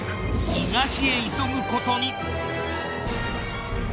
東へ急ぐことに。